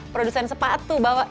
produsen sepatu bahwa